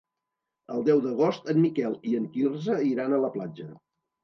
El deu d'agost en Miquel i en Quirze iran a la platja.